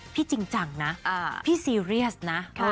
พี่จริงจังนะพี่เซียร์ิอสนะ